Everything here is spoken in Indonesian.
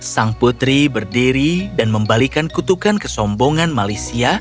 sang putri berdiri dan membalikan kutukan kesombongan malaysia